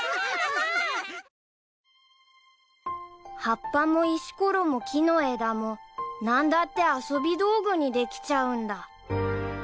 ［葉っぱも石ころも木の枝も何だって遊び道具にできちゃうんだ］